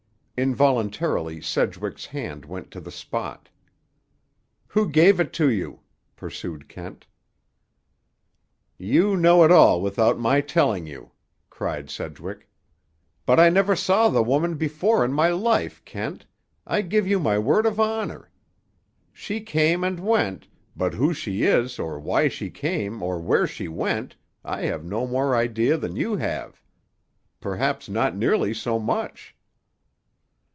Involuntarily Sedgwick's hand went to the spot. "Who gave it to you?" pursued Kent. "You know it all without my telling you," cried Sedgwick. "But I never saw the woman before in my life, Kent—I give you my word of honor! She came and went, but who she is or why she came or where she went I have no more idea than you have. Perhaps not nearly so much."